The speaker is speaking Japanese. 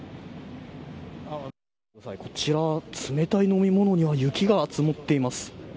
こちら、冷たい飲み物には雪が積もっています。